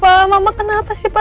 pak mama kenapa sih pak